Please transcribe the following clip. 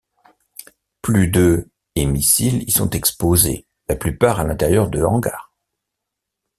Plus de et missiles y sont exposés, la plupart à l'intérieur de hangars.